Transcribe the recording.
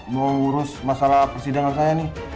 mau ngurus masalah persidangan saya nih